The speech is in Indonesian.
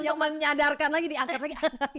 yang menyadarkan lagi diangkat lagi